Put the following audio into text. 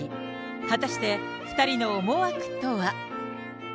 果たして、２人の思惑とは。